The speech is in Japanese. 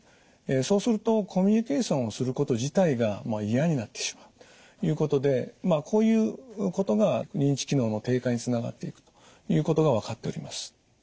そうするとコミュニケーションをすること自体が嫌になってしまうということでこういうことが認知機能の低下につながっていくということが分かっております。